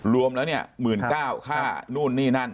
รวมแล้วเนี่ย๑๙๐๐ค่านู่นนี่นั่น